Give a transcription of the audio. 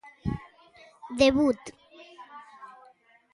Debut.